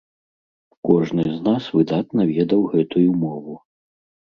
Кожны з нас выдатна ведаў гэтую мову.